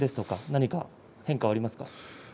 何か変化はありますか？